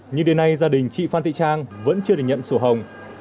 nhưng đến nay gia đình chị phan thị trang vẫn chưa được nhận sổ hồng